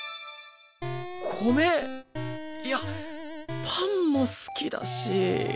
米いやパンも好きだし。